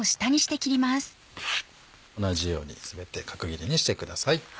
同じように全て角切りにしてください。